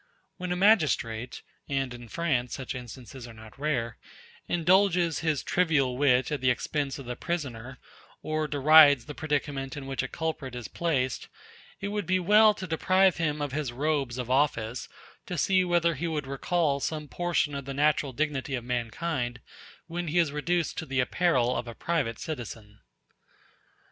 When a magistrate (and in France such instances are not rare) indulges his trivial wit at the expense of the prisoner, or derides the predicament in which a culprit is placed, it would be well to deprive him of his robes of office, to see whether he would recall some portion of the natural dignity of mankind when he is reduced to the apparel of a private citizen.